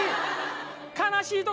悲しい時。